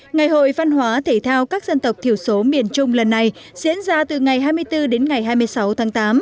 ngày hội văn hóa thể thao các dân tộc thiểu số miền trung lần này diễn ra từ ngày hai mươi bốn đến ngày hai mươi sáu tháng tám